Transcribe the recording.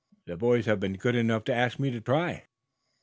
"The boys have been good enough to ask me to try."